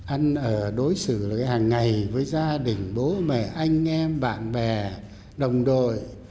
anh ở đối xử hàng ngày với gia đình bố mẹ anh em bạn bè đồng đội